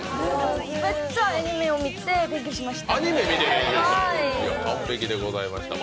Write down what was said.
めっちゃアニメを見て勉強しました。